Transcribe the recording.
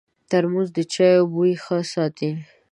ترموز د چایو بوی ښه ساتي.